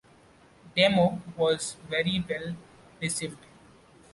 "Demo" was very well received.